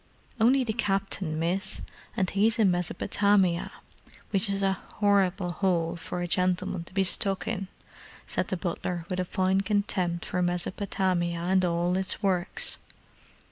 "Only the Captain, miss, and he's in Mesopotamia, which is an 'orrible 'ole for any gentleman to be stuck in," said the butler with a fine contempt for Mesopotamia and all its works.